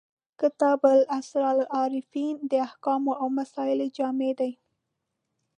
کتاب اسرار العارفین د احکامو او مسایلو جامع دی.